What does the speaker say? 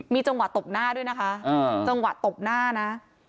มีจังหวะตบหน้าด้วยนะคะจังหวะตบหน้านะ